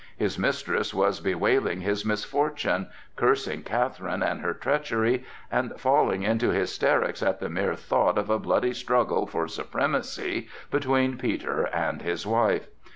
His mistress was bewailing his misfortune, cursing Catherine and her treachery, and falling into hysterics at the mere thought of a bloody struggle for supremacy between Peter and his wife.